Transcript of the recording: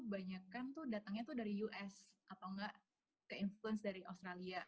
kebanyakan tuh datangnya tuh dari us atau enggak ke influence dari australia